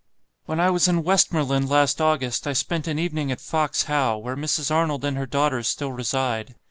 "When I was in Westmoreland last August, I spent an evening at Fox How, where Mrs. Arnold and her daughters still reside.